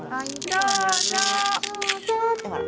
・どうぞってほら。